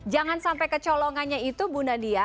jangan sampai kecolongannya itu bu nadia